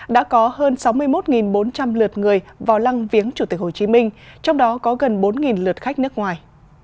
đã có hơn sáu mươi một bốn trăm linh lượt người vào lăng viếng chủ tịch hồ chí minh trong đó có gần bốn lượt khách nước ngoài